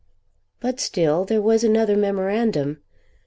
But still there was another memorandum.